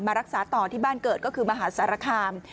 รักษาต่อที่บ้านเกิดก็คือมหาสารคาม